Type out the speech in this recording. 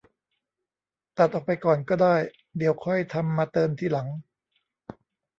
ตัดออกไปก่อนก็ได้ เดี๋ยวค่อยทำมาเติมทีหลัง